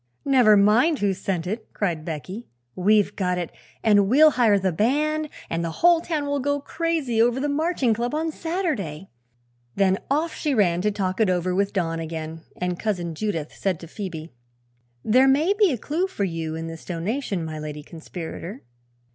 "Never mind who sent it," cried Becky; "we've got it, and we'll hire the band, and the whole town will go crazy over the Marching Club on Saturday!" Then off she ran to talk it over with Don again, and Cousin Judith said to Phoebe: "There may be a clew for you in this donation, my Lady Conspirator."